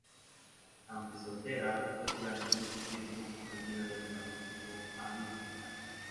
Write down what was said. Aunque soltera, fue durante mucho tiempo compañera del dramaturgo Abby Conrad.